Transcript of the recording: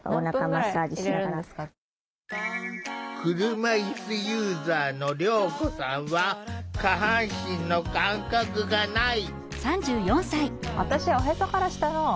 車いすユーザーのりょうこさんは下半身の感覚がない。